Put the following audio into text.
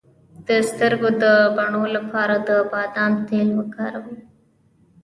د سترګو د بڼو لپاره د بادام تېل وکاروئ